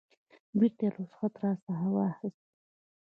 بیرته یې رخصت راڅخه واخیست.